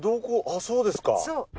あっそうですか。